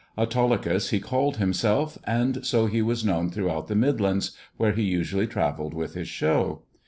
Autolycus, he called himself, and I he was known throughout the Midlands, where he usually avelled with his show.